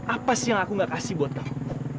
apa sih yang aku gak kasih buat aku